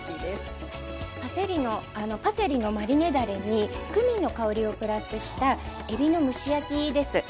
パセリのマリネだれにクミンの香りをプラスしたえびの蒸し焼きです。